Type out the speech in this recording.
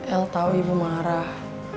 el tau ibu marah